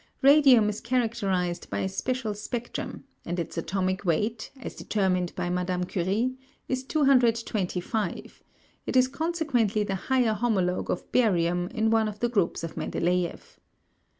Radium is characterised by a special spectrum, and its atomic weight, as determined by Madame Curie, is 225; it is consequently the higher homologue of barium in one of the groups of Mendeléef.